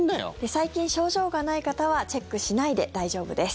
最近、症状がない方はチェックしないで大丈夫です。